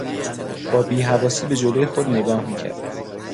با بیحواسی به جلو خود نگاه میکرد.